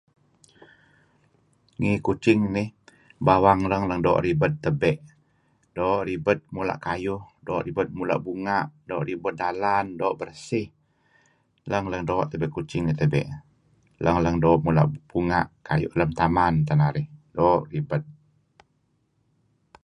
Ngi Kuching nih bawang nuk leng-leng doo' ribed tebe'. Doo' ribed mula' kayuh doo' ribed mula' bunga' doo' ribed dalan doo' bersih. Leng-leng doo' tebe' kuching nih tebe' . Leng-leng doo ribed bunga' kuayu' lem taman teh narih, doo' ribed.